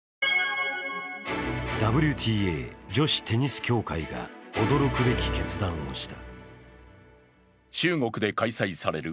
ＷＴＡ女子テニス協会が驚くべき決断をした。